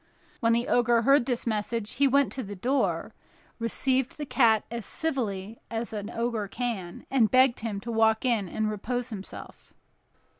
When the Ogre heard this message, he went to the door, received the cat as civilly as an Ogre can, and begged him to walk in and repose himself.